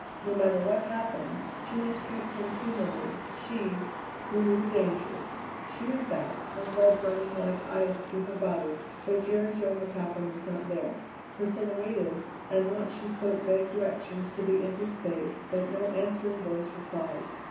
No matter what happened, she must treat him humanly, she, who knew the danger. She went back, her blood running like ice through her body; but Jerry Jo McAlpin was not there. Priscilla waited, and once she spoke vague directions to the empty space, but no answering voice replied.